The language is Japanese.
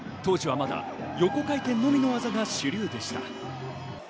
当時はまだ横回転のみの技が主流でした。